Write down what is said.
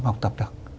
học tập được